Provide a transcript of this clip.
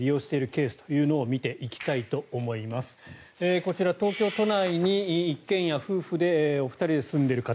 こちら、東京都内に一軒家夫婦お二人で住んでいる方。